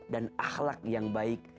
dan akhlak yang baik